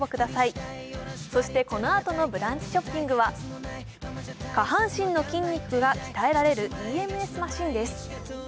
そして、このあとの「ブランチショッピング」は下半身の筋肉が鍛えられるＥＭＳマシンです。